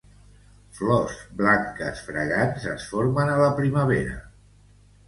Flors blanques fragants es formen a la primavera.